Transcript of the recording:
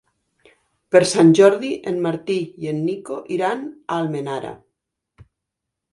Per Sant Jordi en Martí i en Nico iran a Almenara.